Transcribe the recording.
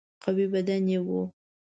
قوي بدن یې وو.